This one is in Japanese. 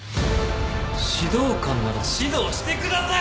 「指導官なら指導してください！」